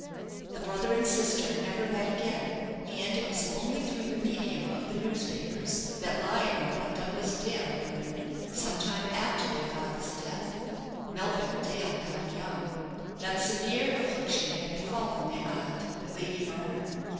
The brother and sister never met again; and it was only through the medium of the newspapers that Lionel and Douglas Dale learned, some time after their father's death (Melville Dale died young), that severe affliction had befallen their aunt, Lady Verner.